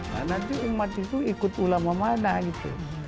nah nanti umat itu ikut ulama mana gitu